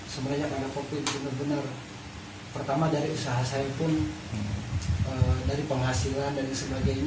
sebenarnya karena covid benar benar pertama dari usaha saya pun dari penghasilan dan sebagainya